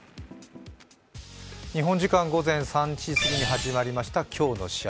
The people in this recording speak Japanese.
日本時間午前３時すぎに始まりました今日の試合